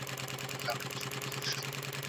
ولي په هرات کي د صنعت لپاره پانګه اړینه ده؟